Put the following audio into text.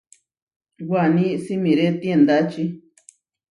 Waní simiré tiendáčí.